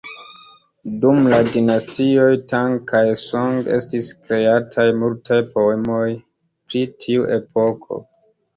Dum la Dinastioj Tang kaj Song, estis kreataj multaj poemoj pri tiu epoko.